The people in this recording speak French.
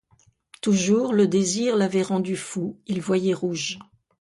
Toujours le désir l'avait rendu fou, il voyait rouge.